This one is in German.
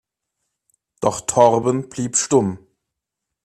Doch Torben blieb stumm.